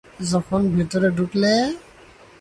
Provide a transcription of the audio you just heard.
যখন ভেতরে ঢুকলে?